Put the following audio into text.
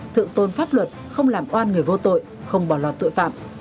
thượng tôn pháp luật không làm oan người vô tội không bỏ lọt tội phạm